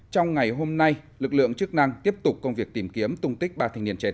trong ngày hôm nay lực lượng chức năng tiếp tục công việc tìm kiếm tung tích ba thanh niên trên